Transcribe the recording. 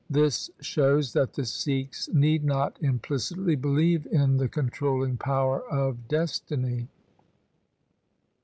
This shows that the Sikhs need not implicitly believe in the con trolling power of destiny.